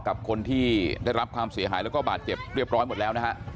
กับคนที่ได้รับความเสียหายแล้วก็บาดเจ็บเรียบร้อยหมดแล้วนะฮะ